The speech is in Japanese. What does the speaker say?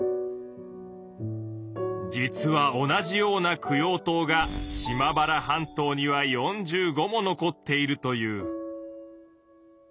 実は同じような供養塔が島原半島には４５も残っているという。